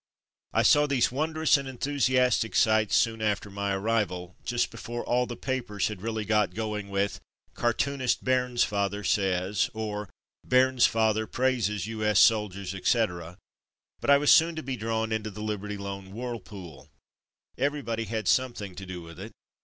I saw these wondrous and enthusiastic sights soon after my arrival, just before all the papers had really got going with ''Car toonist Bairnsfather says'' or ''Bairnsfather praises U. S. soldiers,'' etc., but I was soon to be drawn into the Liberty Loan whirlpool. Everybody had something to do with it.